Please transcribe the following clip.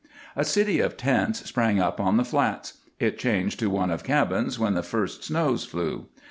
A city of tents sprang up on the flats; it changed to one of cabins when the first snow flew.